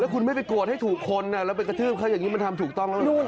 คุณไม่ไปโกรธให้ถูกคนแล้วไปกระทืบเขาอย่างนี้มันทำถูกต้องแล้วนะ